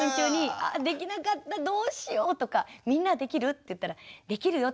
「あできなかったどうしよう」とか「みんなはできる？」って言ったら「できるよ」って。